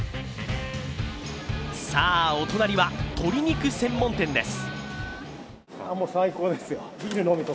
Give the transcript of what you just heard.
さあ、お隣は鶏肉専門店です。